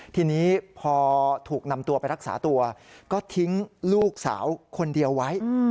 ทีนี้พอถูกนำตัวไปรักษาตัวก็ทิ้งลูกสาวคนเดียวไว้